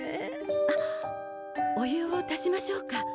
あっお湯を足しましょうか？